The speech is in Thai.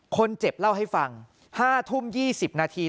คนเจ็บเล่าให้ฟัง๕ทุ่ม๒๐นาที